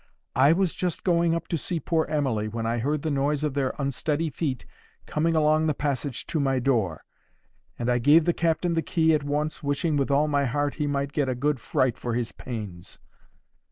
I was just going up to see poor Emily when I heard the noise of their unsteady feet coming along the passage to my door; and I gave the captain the key at once, wishing with all my heart he might get a good fright for his pains.